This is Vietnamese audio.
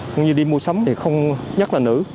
cũng như đi mua sắm thì không nhất là nữ